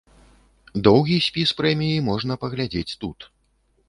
Доўгі спіс прэміі можна паглядзець тут.